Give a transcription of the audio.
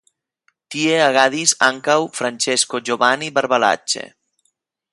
Tie agadis ankaŭ Francesco Giovanni Barbalace.